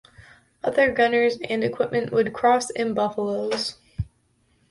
Other gunners and equipment would cross in Buffaloes.